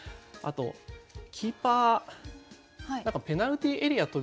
あとキーパーペナルティーエリア